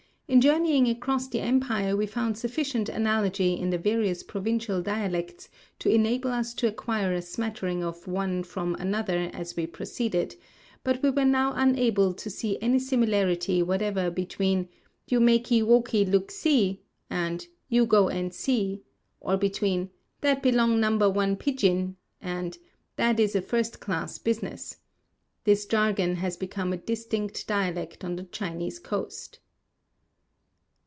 In journeying across the empire we found sufficient analogy in the various provincial dialects to enable us to acquire a smattering of one from another as we proceeded, but we were now unable to see any similarity whatever between "You makee walkee look see," and "You go and see," or between "That belong number one pidjin," and "That is a first class business." This jargon has become a distinct dialect on the Chinese coast.